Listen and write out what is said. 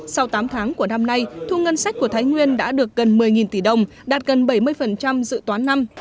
sau tám tháng của năm nay thu ngân sách của thái nguyên đã được gần một mươi tỷ đồng đạt gần bảy mươi dự toán năm